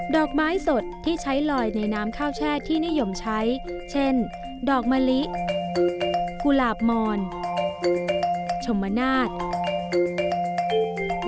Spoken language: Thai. อกไม้สดที่ใช้ลอยในน้ำข้าวแช่ที่นิยมใช้เช่นดอกมะลิกุหลาบมอนชมนาศ